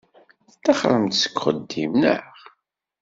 Tettaxremt-d seg uxeddim, naɣ?